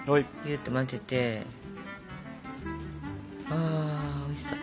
あおいしそう！